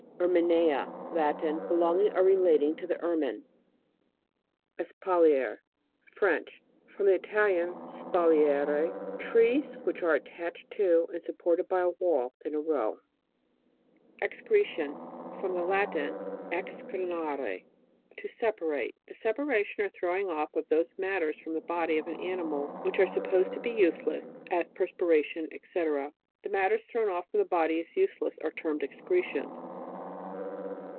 ERMINEA. Latin. Belonging or re lating to the ermine. ESPALIER. French. From the Italian, spalliere. Trees which are attached to, and supported by a wall, in a row. 142 MAMMALOGY: GLOSSARY. EXCRETION. From the Latin, excer ner?, to separate. The separation, or throwing off those matters from the body of an animal, which are supposed to be useless, as perspira tion, &c, The matters thrown off from the body as useless, are termed excretions.